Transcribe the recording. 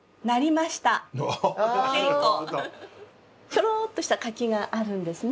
ひょろっとした柿があるんですね。